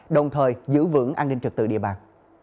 đồng thời giữ vững an ninh trực tự địa bàn